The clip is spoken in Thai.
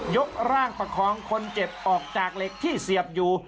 กร่างประคองคนเจ็บออกจากเหล็กที่เสียบอยู่